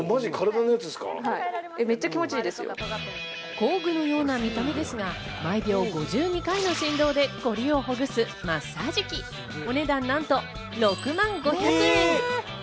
工具のような見た目ですが毎秒５２回の振動でコリをほぐすマッサージ機、お値段なんと６万５００円。